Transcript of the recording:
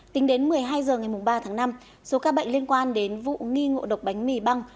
tính đến một mươi hai h ngày ba tháng năm số ca bệnh liên quan đến vụ nghi ngộ độc bánh mì băng